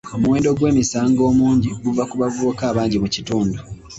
Omuwendo gw'emisango omungi guva ku bavubuka abangi mu kitundu.